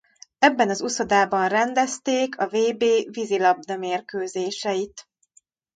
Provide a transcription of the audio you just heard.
Ebben az uszodában rendezték a vb vízilabda-mérkőzéseit.